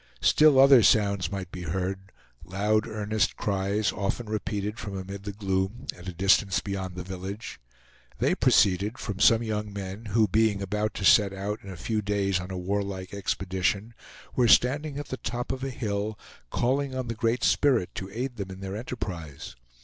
Still other sounds might be heard; loud earnest cries often repeated from amid the gloom, at a distance beyond the village. They proceeded from some young men who, being about to set out in a few days on a warlike expedition, were standing at the top of a hill, calling on the Great Spirit to aid them in their enterprise.